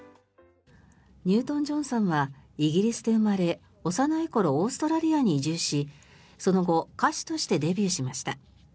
ニュートン・ジョンさんはイギリスで生まれ幼い頃、オーストラリアに移住しその後歌手としてデビューしました。